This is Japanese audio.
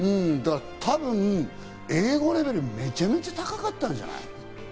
多分、英語レベルもめちゃめちゃ高かったんじゃない？